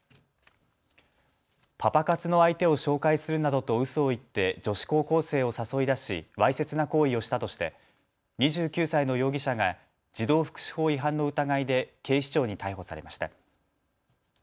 パパ活の相手を紹介するなどとうそを言って女子高校生を誘い出し、わいせつな行為をしたとして２９歳の容疑者が児童福祉法違反の疑いで警視庁に逮捕されました。